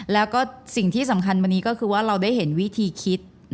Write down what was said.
แล้วก็สิ่งที่สำคัญวันนี้ก็คือว่าเราได้เห็นวิธีคิด